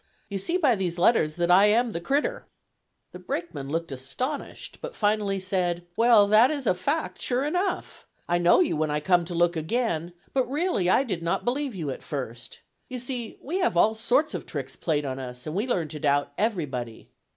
You see by these letters that I am the 'crittur.'" The brakeman looked astonished, but finally said: "Well, that is a fact sure enough. I know you when I come to look again, but really I did not believe you at first. You see we have all sorts of tricks played on us, and we learn to doubt everybody.